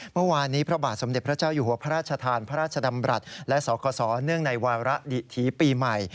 เมื่อวานนี้พระบาทสมเด็จพระเจ้าอยู่หัวพระราชทานพระราชดำรัฐและสกสเนื่องในวาระดิถีปีใหม่